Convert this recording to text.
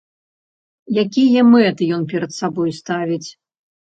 Якія мэты ён перад сабой ставіць?